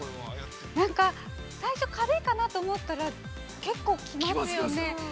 ◆なんか、最初、軽いかなと思ったら、結構きますよね。